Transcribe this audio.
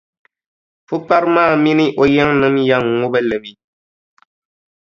Pukpara maa mini o yiŋnima yɛn ŋubi li mi.